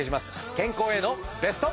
健康へのベスト。